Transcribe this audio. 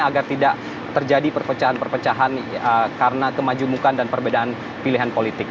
agar tidak terjadi perpecahan perpecahan karena kemajumukan dan perbedaan pilihan politik